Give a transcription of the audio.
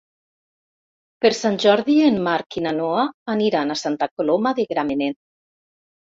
Per Sant Jordi en Marc i na Noa aniran a Santa Coloma de Gramenet.